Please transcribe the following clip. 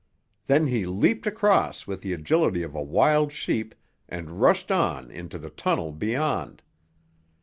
Then he leaped across with the agility of a wild sheep and rushed on into the tunnel beyond.